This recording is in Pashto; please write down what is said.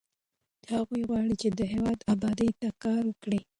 هغوی غواړي چې د هېواد ابادۍ ته کار وکړي.